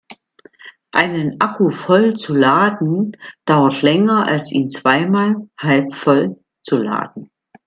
Einen Akku voll zu laden dauert länger als ihn zweimal halbvoll zu laden.